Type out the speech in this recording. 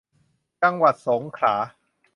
จังหวัดสงขลา